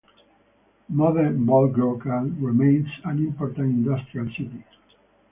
Modern Volgograd remains an important industrial city.